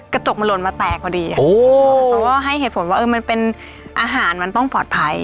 กระจกมันหล่นมาแตกพอดีเพราะว่าให้เหตุผลว่ามันเป็นอาหารมันต้องปลอดภัย